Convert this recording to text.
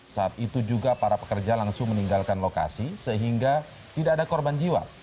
saat itu juga para pekerja langsung meninggalkan lokasi sehingga tidak ada korban jiwa